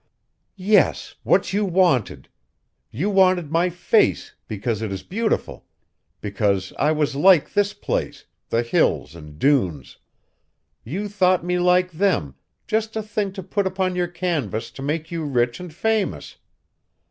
"Yes. What you wanted! You wanted my face, because it is beautiful; because I was like this place, the Hills and dunes! You thought me like them, just a thing to put upon your canvas to make you rich and famous!